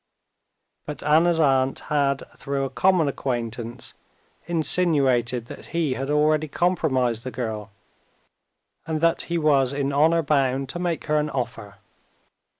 But Anna's aunt had through a common acquaintance insinuated that he had already compromised the girl, and that he was in honor bound to make her an offer.